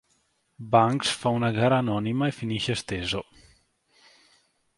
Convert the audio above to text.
Banks fa una gara anonima e finisce sesto.